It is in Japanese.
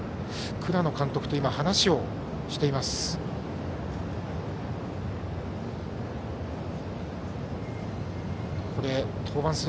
倉野監督と話をしています。